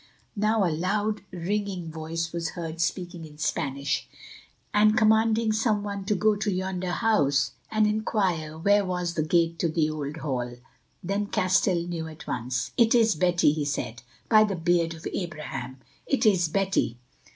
Now a loud, ringing voice was heard speaking in Spanish, and commanding some one to go to yonder house and inquire where was the gate to the Old Hall. Then Castell knew at once. "It is Betty," he said. "By the beard of Abraham, it is Betty."